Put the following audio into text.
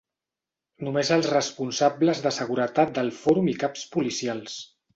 Només els responsables de seguretat del Fòrum i caps policials.